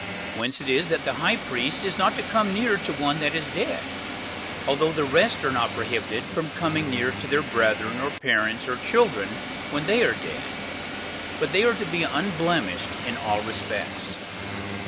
Whence it is that the high priest is not to come near to one that is dead, although the rest are not prohibited from coming near to their brethren, or parents, or children, when they are dead; but they are to be unblemished in all respects.